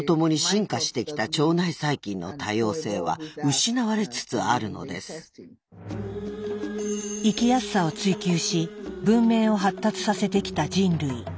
それによって生きやすさを追求し文明を発達させてきた人類。